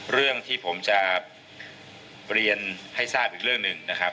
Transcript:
เรื่องที่ผมจะเรียนให้ทราบอีกเรื่องหนึ่งนะครับ